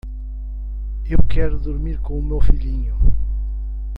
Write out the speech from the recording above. Eu quero dormir com meu filhinho.